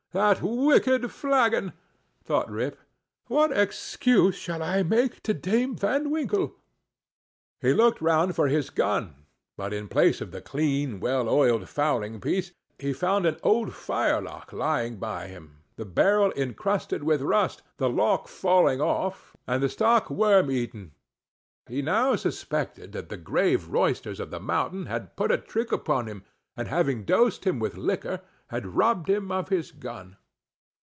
that wicked flagon!" thought Rip—"what excuse shall I make to Dame Van Winkle!" He looked round for his gun, but in place of the clean well oiled fowling piece, he found an old firelock lying by him, the barrel incrusted with rust, the lock falling off, and the stock worm eaten. He now suspected that the grave roysters of the mountain had put a trick upon him, and, having dosed him with liquor, had robbed him of his gun.